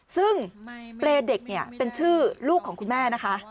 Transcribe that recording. ซึ่งเปรย์เด็กเนี่ยเป็นชื่อลูกของคุณแม่นะคะ